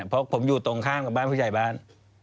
เพราะผมอยู่ตรงข้ามกับบ้านผู้ใหญ่บ้าน